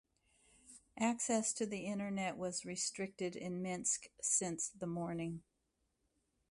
Access to the Internet was restricted in Minsk since the morning.